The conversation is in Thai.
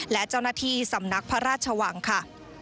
และเจ้าหน้าที่สำนักพระราชวังค่ะ